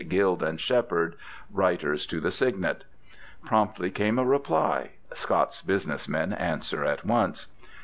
Guild and Shepherd, Writers to the Signet. Promptly came a reply (Scots business men answer at once).